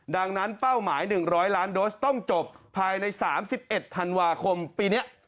ดังนั้นเป้าหมาย๑๐๐ล้านโดสต้องจบภายใน๓๑ธันวาคมปีนี้